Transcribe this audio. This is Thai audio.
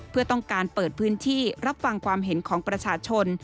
เพื่อต้องการเปิดพื้นที่รับฟังความเห็นของประชาชน